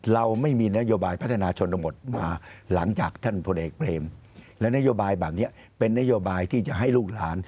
เราไม่มีนโยบายพัฒนาชนบทมาหลังจากท่านพลเอกเบรมและนโยบายแบบนี้เป็นนโยบายที่จะให้ลูกหลาน